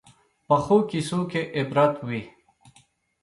پخو کیسو کې عبرت وي